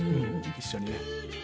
一緒にね。